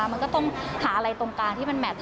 มันก็ต้องหาอะไรตรงกลางที่มันแมท